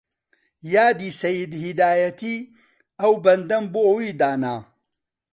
یادی سەید هیدایەتی ئەو بەندەم بۆ وی دانا